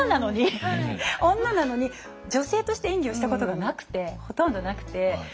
女なのに女性として演技をしたことがほとんどなくて。